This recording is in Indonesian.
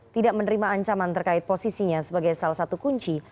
tidak menerima ancaman terkait posisinya sebagai salah satu kunci